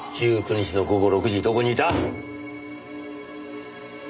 １９日の午後６時どこにいた？